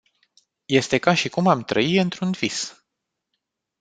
Este ca și cum am trăi într-un vis!